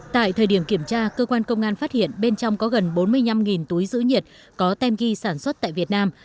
tại thời điểm kiểm tra cơ quan công an phát hiện bên trong có gần bốn mươi năm túi giữ nhiệt có tem ghi sản xuất tại việt nam